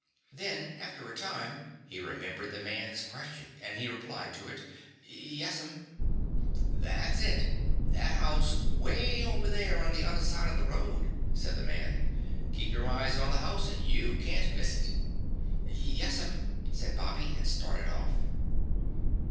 Then, after a time, he remembered the man's question and he replied to it. "Yes'm." "That's it that house way over there on the other side of the road," said the man. "Keep your eyes on the house and you can't miss it." "Yes'm," said Bobby and started off.